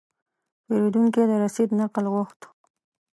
پیرودونکی د رسید نقل غوښت.